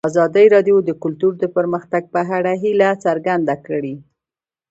ازادي راډیو د کلتور د پرمختګ په اړه هیله څرګنده کړې.